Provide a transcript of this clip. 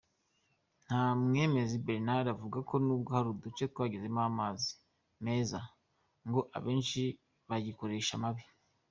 Ntamwemezi Bernard avuga ko nubwo ahari uduce twagezemo amazi meza ngo abenshi bagikoresha amabi.